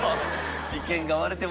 意見が割れてます。